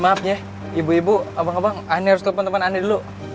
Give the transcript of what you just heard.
maaf ya ibu ibu abang abang anda harus ke teman teman anda dulu